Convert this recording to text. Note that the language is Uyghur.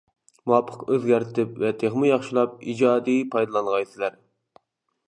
مۇۋاپىق ئۆزگەرتىپ ۋە تېخىمۇ ياخشىلاپ ئىجادىي پايدىلانغايسىلەر!